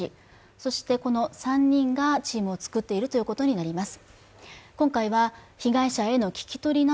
そしてこの３人がチームを作っているということになります。